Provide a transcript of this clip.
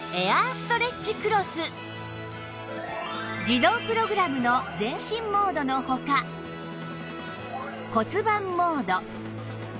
自動プログラムの全身モードの他骨盤モード